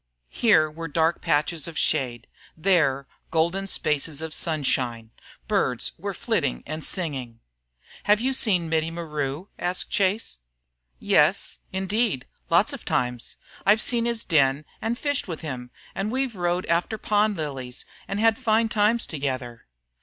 Here were dark patches of shade, there golden spaces of sunshine. Birds were flitting and singing. "Have you seen Mittie maru?" asked Chase. "Yes, indeed. Lots of times. I've seen his den and fished with him and we've rowed after pond lilies and had fine times together."